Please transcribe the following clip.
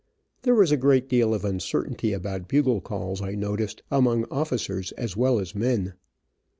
There was a great deal of uncertainty about bugle calls, I noticed, among officers as well as men.